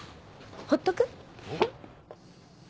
ほっとく。